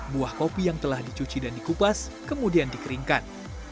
buah kopi yang telah dicuci dan dikupas kemudian dikeringkan